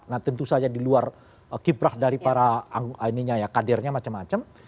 nah tentu saja di luar kiprah dari para kadernya macam macam